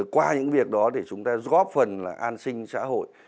qua những việc đó để chúng ta góp phần là an sinh xã hội